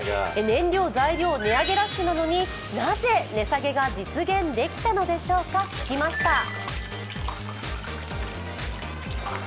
燃料、材料、値上げラッシュなのになぜ値下げが実現できたのでしょうか、聞きました。